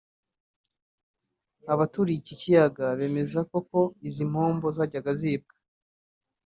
Abaturiye iki kiyaga bemeza ko koko izi mpombo zajyaga zibwa